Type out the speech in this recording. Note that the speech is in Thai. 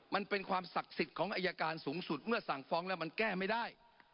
มันเป็นความศักดิ์สิทธิ์ของอายการสูงสุดเมื่อสั่งฟ้องแล้วมันแก้ไม่ได้